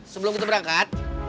sebelum kita berangkat